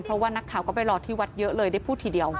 เพราะว่านักข่าวก็ไปรอที่วัดเยอะเลยได้พูดทีเดียว